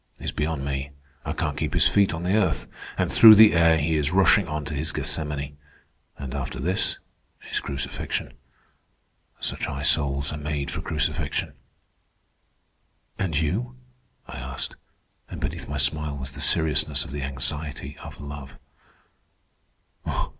He's beyond me. I can't keep his feet on the earth. And through the air he is rushing on to his Gethsemane. And after this his crucifixion. Such high souls are made for crucifixion." "And you?" I asked; and beneath my smile was the seriousness of the anxiety of love.